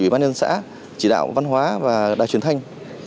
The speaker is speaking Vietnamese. ủy ban nhân xã chỉ đạo văn hóa và đài truyền thanh